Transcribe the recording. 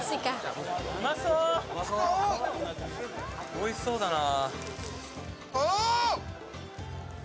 おいしそうだな。